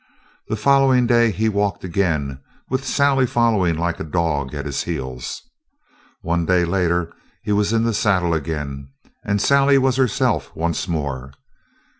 The following day he walked again, with Sally following like a dog at his heels. One day later he was in the saddle again, and Sally was herself once more.